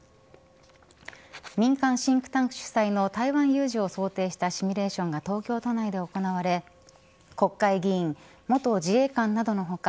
民間シンクタンク主催の台湾有事を想定したシミュレーションが東京都内で行われ国会議員、元自衛官などの他